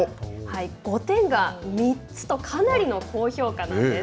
５点が３つと、かなりの高評価なんです。